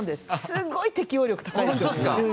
すごい適応力高いですよね。